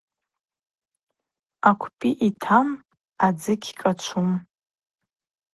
Аквпӏи йтам адзы гькӏачвум.